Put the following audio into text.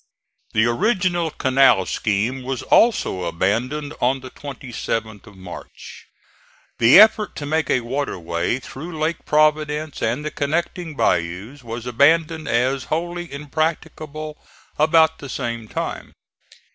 The original canal scheme was also abandoned on the 27th of March. The effort to make a waterway through Lake Providence and the connecting bayous was abandoned as wholly impracticable about the same time.